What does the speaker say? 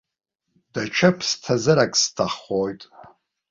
Даҽа ԥсҭазарак сҭаххоит.